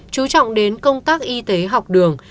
chú trọng đến công tác y tế học đường